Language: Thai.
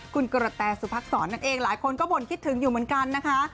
คุณกระแตสุพักษรนั่นเองหลายคนก็บ่นคิดถึงอยู่เหมือนกันนะคะ